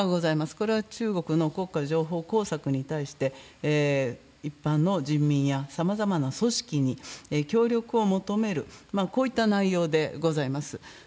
これは中国の国家情報工作に対して、一般の人民やさまざまな組織に協力を求める、こういった内容でございます。